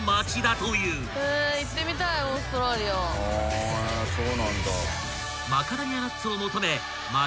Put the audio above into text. はぁそうなんだ。